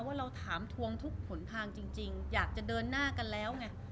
ว่าเราถามทวงทุกหนทางจริงอยากจะเดินหน้ากันแล้วไง